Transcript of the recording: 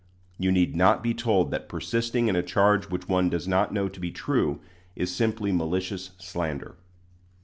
You need not be told that persisting in a charge which one does not know to be true, is simply malicious slander.